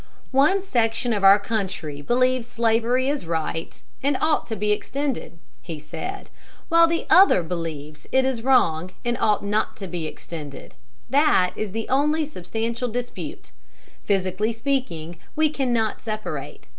"One section of our country believes slavery is right and ought to be extended," he said, "while the other believes it is wrong and ought not to be extended; that is the only substantial dispute.... Physically speaking, we cannot separate.